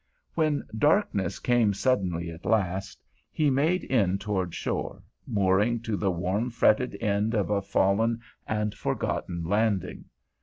When darkness came suddenly at last, he made in toward shore, mooring to the warm fretted end of a fallen and forgotten landing.